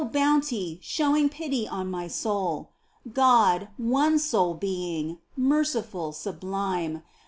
Bounty, showing pity on my soul ! God, one sole Being, merciful, sublime.